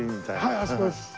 はいあそこです。